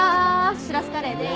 しらすカレーです。